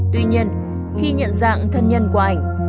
tuy nhiên khi nhận dạng thân nhân qua ảnh